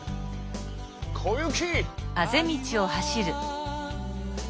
小雪！